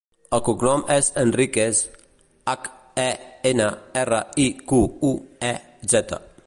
El cognom és Henriquez: hac, e, ena, erra, i, cu, u, e, zeta.